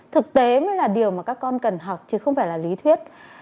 thực tế mới là điều mà các con cần học chứ không phải là lý thuyết